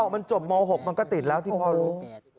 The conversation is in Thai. มันจบม๖แล้วถึงติดแล้วที่พ่อรู้